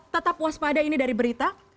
tetap puas pada ini dari berita